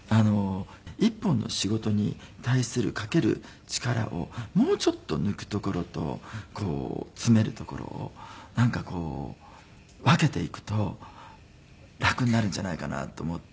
１本の仕事に対するかける力をもうちょっと抜くところと詰めるところをなんかこう分けていくと楽になるんじゃないかなと思って。